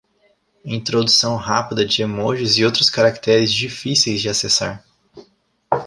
Introdução rápida de emojis e outros caracteres difíceis de acessar.